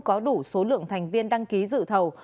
có đủ số lượng thành viên đăng ký dự thầu